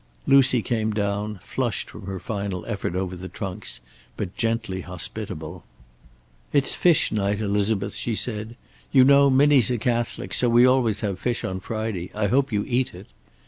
Lucy came down, flushed from her final effort over the trunks, but gently hospitable. "It's fish night, Elizabeth," she said. "You know Minnie's a Catholic, so we always have fish on Friday. I hope you eat it."